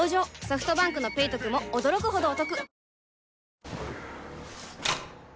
ソフトバンクの「ペイトク」も驚くほどおトク